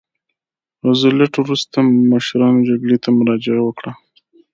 روزولټ وروسته مشرانو جرګې ته مراجعه وکړه.